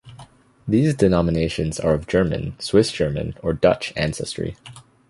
These denominations are of German, Swiss German or Dutch ancestry.